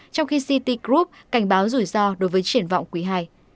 trong khi citigroup cảnh báo rủi ro đối với triển vọng quý ii